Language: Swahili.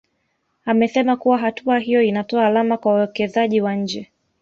Amesema kuwa hatua hiyo inatoa alama kwa wawekezaji wa nje